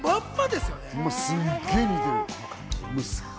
すっげぇ似てる。